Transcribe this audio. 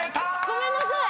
ごめんなさい。